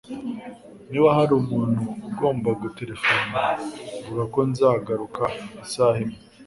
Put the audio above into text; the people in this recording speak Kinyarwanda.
Niba hari umuntu ugomba guterefona, vuga ko nzagaruka isaha imwe.